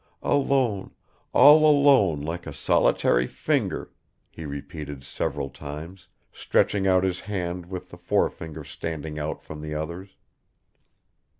Alone, all alone, like a solitary finger," he repeated several times, stretching out his hand with the forefinger standing out from the others.